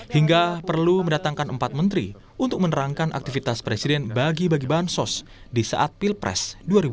hingga perlu mendatangkan empat menteri untuk menerangkan aktivitas presiden bagi bagi bansos di saat pilpres dua ribu dua puluh